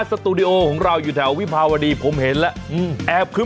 สตูดิโอของเราอยู่แถววิภาวดีผมเห็นแล้วอืมแอบคึ้ม